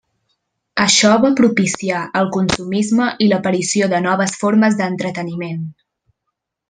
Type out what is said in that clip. Això va propiciar el consumisme i l'aparició de noves formes d'entreteniment.